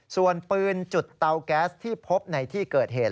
ส่วนปืนจุดเตาแก๊สที่พบในที่เกิดเหตุ